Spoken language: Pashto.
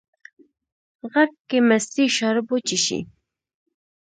غرک کې مستې شاربو، چې شي